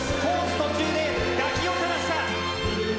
途中で抱き寄せました。